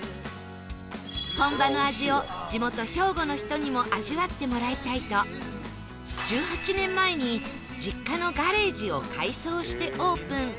本場の味を地元兵庫の人にも味わってもらいたいと１８年前に実家のガレージを改装してオープン